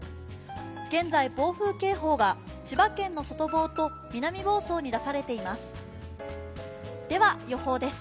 現在、暴風警報が千葉県の外房と南房総に出されています。